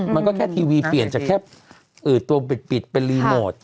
มันก็แค่ทีวีเปลี่ยนจากแค่ตัวปิดเป็นรีโมท